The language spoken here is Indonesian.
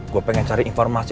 gue pengen cari informasi